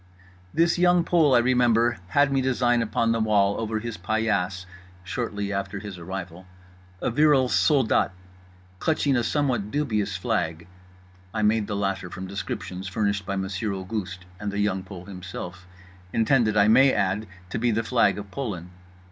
This Young Pole, I remember, had me design upon the wall over his paillasse (shortly after his arrival) a virile soldat clutching a somewhat dubious flag—I made the latter from descriptions furnished by Monsieur Auguste and The Young Pole himself—intended, I may add, to be the flag of Poland.